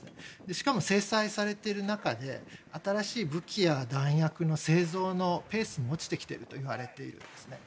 しかも制裁されている中で新しい武器や弾薬の製造のペースも落ちてきているといわれているんですね。